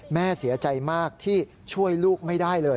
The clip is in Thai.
แม่เสียใจมากที่ช่วยลูกไม่ได้เลย